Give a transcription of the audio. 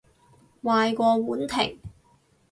壞過婉婷